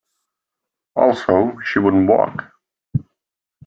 Also, she wouldn't walk.